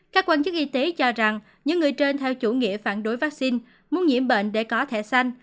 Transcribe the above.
các quan chức y tế cho rằng những người trên theo chủ nghĩa phản đối vaccine muốn nhiễm bệnh để có thể xanh